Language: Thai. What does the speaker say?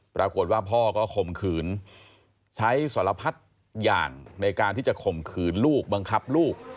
ปรากฏว่าพ่อก็ข่มขืนใช้สารพัดอย่างในการที่จะข่มขืนลูกบังคับลูก